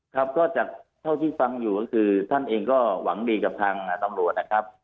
ครับก็จากเท่าที่ฟังอยู่ก็คือท่านเองก็หวังดีกับทางตำรวจนะครับ